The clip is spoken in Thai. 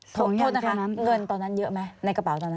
โทษนะคะเงินตอนนั้นเยอะไหมในกระเป๋าตอนนั้น